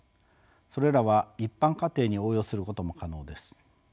それらは一般家庭に応用することも可能です。